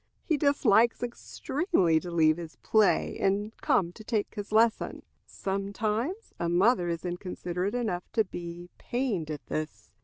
He dislikes extremely to leave his play and come to take his lesson. Sometimes a mother is inconsiderate enough to be pained at this.